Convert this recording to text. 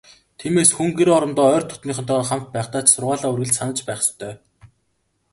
Тиймээс, хүн гэр орондоо ойр дотнынхонтойгоо хамт байхдаа ч сургаалаа үргэлж санаж байх ёстой.